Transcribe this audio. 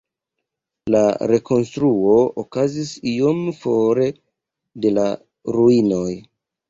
La rekonstruo okazis iom for de la ruinoj.